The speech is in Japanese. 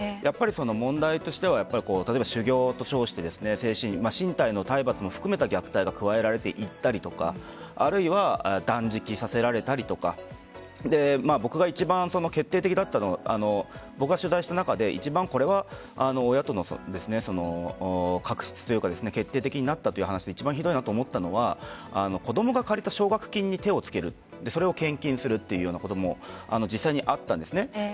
問題としては例えば修行と称して身体の体罰も含めた虐待が加えられたりとか断食させられたりとか僕が一番決定的だったのは取材した中で一番、親との確執というか決定的になったという話で一番ひどいと思ったのは子供が借りた奨学金に手をつけそれを献金するというのも実際にあったんです。